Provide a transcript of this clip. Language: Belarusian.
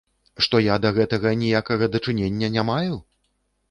Што я да гэтага ніякага дачынення не маю?